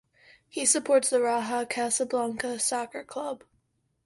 He supports the Raja Casablanca soccer club.